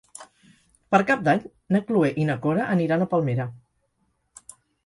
Per Cap d'Any na Cloè i na Cora aniran a Palmera.